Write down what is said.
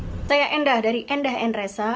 menurut saya endah dari endah endresa